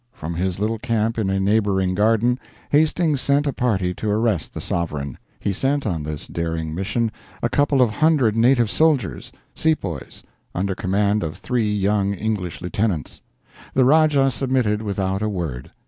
From his little camp in a neighboring garden, Hastings sent a party to arrest the sovereign. He sent on this daring mission a couple of hundred native soldiers sepoys under command of three young English lieutenants. The Rajah submitted without a word.